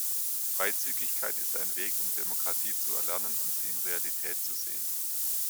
Freizügigkeit ist ein Weg, um Demokratie zu erlernen und sie in Realität zu sehen.